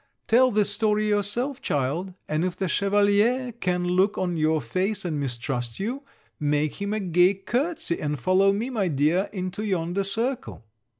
Tell the story yourself, child; and, if the Chevalier can look on your face and mistrust you, make him a gay curtsy and follow me, my dear, into yonder circle.'